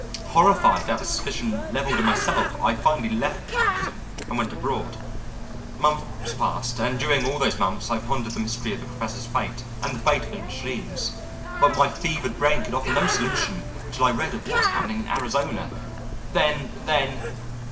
Horrified at the suspicion leveled at myself, I finally left Tucson and went abroad. Months passed; and during all those months I pondered the mystery of the Professor's fate, and the fate of his machines. But my fevered brain could offer no solution until I read of what was happening in Arizona; then, then...."